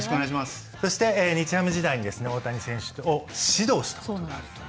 そして日ハム時代に大谷選手を指導したことがあるという。